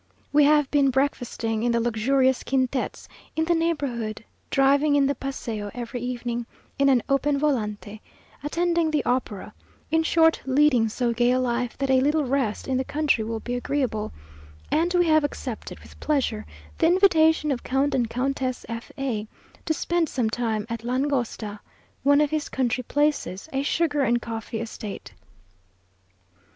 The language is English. We have been breakfasting in the luxurious Quintets in the neighbourhood, driving in the Paseo every evening in an open volante, attending the opera; in short, leading so gay a life, that a little rest in the country will be agreeable; and we have accepted with pleasure the invitation of Count and Countess F a, to spend some time at La Angosta, one of his country places; a sugar and coffee estate.